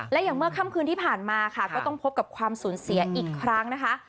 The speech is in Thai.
และอย่างเมื่อค่ำคืนที่ผ่านมาค่ะก็ต้องพบกับความสูญเสียอีกครั้งนะคะ